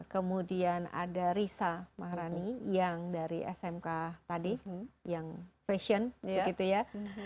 kemudian ada risa maharani yang dari smk tadi yang fashion begitu ya